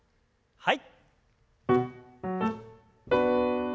はい。